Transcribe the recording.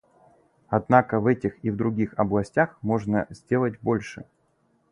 Однако в этих и в других областях можно сделать больше.